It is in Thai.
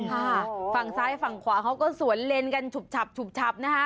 ค่ะฝั่งซ้ายฝั่งขวาเขาก็สวนเลนกันฉุบฉับฉุบฉับนะคะ